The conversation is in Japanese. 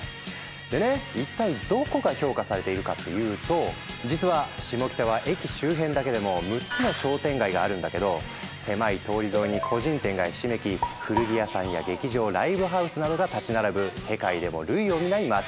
でね一体どこが評価されているかっていうと実はシモキタは駅周辺だけでも６つの商店街があるんだけど狭い通り沿いに個人店がひしめき古着屋さんや劇場ライブハウスなどが建ち並ぶ世界でも類を見ない街だそう。